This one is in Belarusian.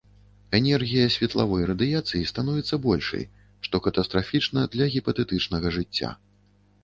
Энергія светлавой радыяцыі становіцца большай, што катастрафічна для гіпатэтычнага жыцця.